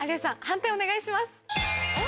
判定お願いします。